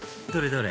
どれ？